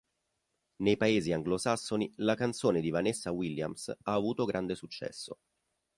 Nei Paesi anglosassoni la canzone di Vanessa Williams ha avuto grande successo.